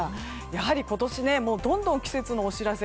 やはり今年はどんどん季節のお知らせ